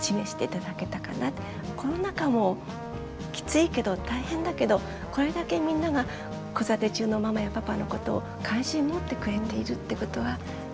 コロナ禍もきついけど大変だけどこれだけみんなが子育て中のママやパパのことを関心持ってくれているってことはうれしかったですね。